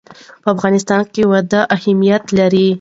په افغانستان کې وادي ډېر اهمیت لري.